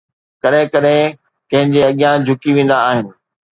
ڪڏهن ڪڏهن ڪنهن جي اڳيان جهڪي ويندا آهن